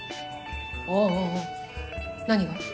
あぁ何が？